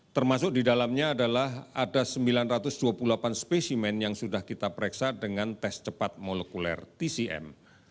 termasuk di dalamnya adalah ada sembilan ratus dua puluh delapan spesimen yang sudah kita pereksa dengan tes cepat molekuler tcm